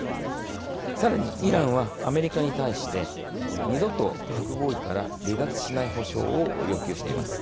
さらにイランはアメリカに対して二度と核合意から離脱しない保証を要求しています。